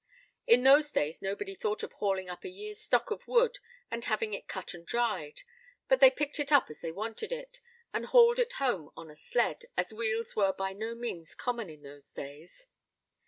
In those days nobody thought of hauling up a year's stock of wood, and having it cut and dried; but they picked it up as they wanted it, and hauled it home on a sled, as wheels were by no means common in those days.